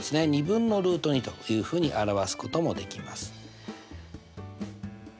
２分のルート２というふうに表すこともできます。